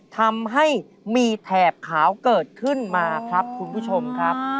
ทำให้มีแถบขาวเกิดขึ้นมาครับคุณผู้ชมครับ